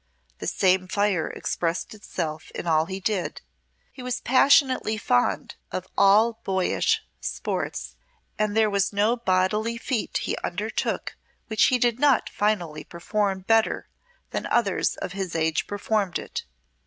The same fire expressed itself in all he did. He was passionately fond of all boyish sports, and there was no bodily feat he undertook which he did not finally perform better than others of his age performed it.